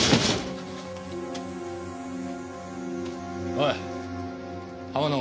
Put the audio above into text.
おい浜野。